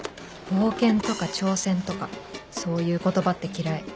冒険とか挑戦とかそういう言葉って嫌い